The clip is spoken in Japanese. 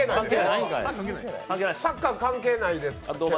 サッカー関係ないです。